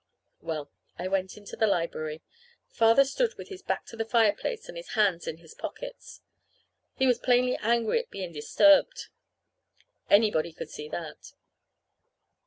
Well, I went into the library. Father stood with his back to the fireplace and his hands in his pockets. He was plainly angry at being disturbed. Anybody could see that.